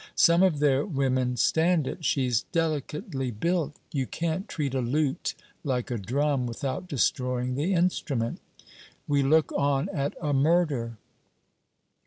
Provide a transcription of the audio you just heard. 'Some of their women stand it. She's delicately built. You can't treat a lute like a drum without destroying the instrument. We look on at a murder!'